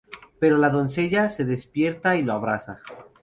Pero la doncella se despierta y lo abraza.